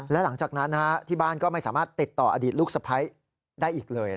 และหลังจากนั้นที่บ้านก็ไม่สามารถติดต่ออดีตลูกสะพ้ายได้อีกเลย